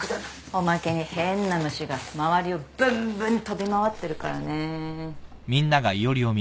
おまけに変な虫が周りをブンブン飛び回ってるからね。